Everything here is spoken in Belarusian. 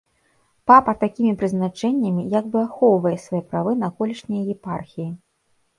Папа такімі прызначэннямі як бы ахоўвае свае правы на колішнія епархіі.